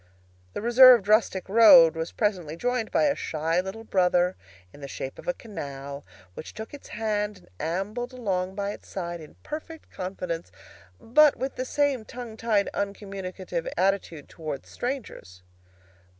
The reserved rustic road was presently joined by a shy little brother in the shape of a canal, which took its hand and ambled along by its side in perfect confidence, but with the same tongue tied, uncommunicative attitude towards strangers.